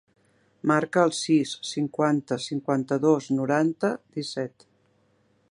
Marca el sis, cinquanta, cinquanta-dos, noranta, disset.